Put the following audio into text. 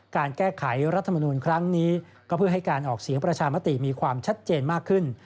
การแก้ไขรัฐมนูลครั้งนี้ก็เพื่อให้การออกเสียงประชามติมีความชัดเจนมากขึ้น